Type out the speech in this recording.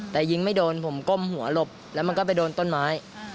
แต่ยิงไม่โดนผมก้มหัวหลบแล้วมันก็ไปโดนต้นไม้